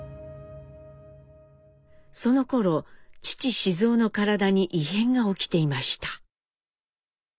そのころ父雄の体に異変が起きていました。